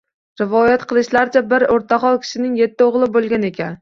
Rivoyat qilishlaricha, bir o'rtahol kishining yetti o'g'li bo'lgan ekan